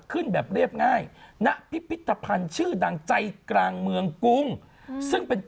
ขึ้นแบบเรียบง่ายณพิพิธภัณฑ์ชื่อดังใจกลางเมืองกรุงซึ่งเป็น